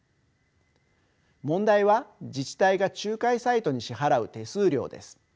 問題は自治体が仲介サイトに支払う手数料です。